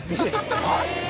はい。